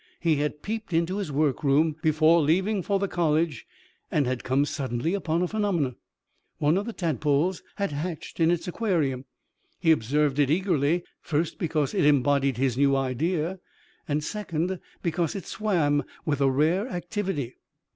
He had peeped into his workroom before leaving for the college and had come suddenly upon a phenomenon. One of the tadpoles had hatched in its aquarium. He observed it eagerly, first because it embodied his new idea, and second because it swam with a rare activity.